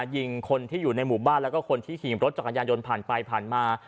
ยิงคนที่อยู่ในหมู่บ้านแล้วก็คนที่ขี่รถจักรยานยนต์ผ่านไปผ่านมา